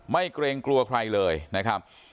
เกรงกลัวใครเลยนะครับ